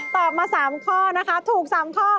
ตอบมา๓ข้อนะคะถูก๓ข้อ